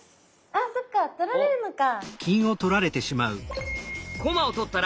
あっそっか取られるのか！